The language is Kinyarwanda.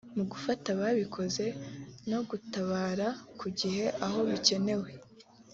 mu gufata ababikoze no gutabara ku gihe aho bikenewe